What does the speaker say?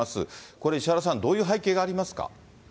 これ、石原さん、どういう背景がありますか。